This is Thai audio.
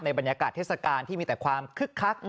บรรยากาศเทศกาลที่มีแต่ความคึกคัก